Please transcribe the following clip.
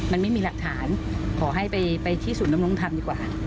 มันไม่มีหลักฐานขอให้ไปที่ศูนย์ดำรงธรรมดีกว่า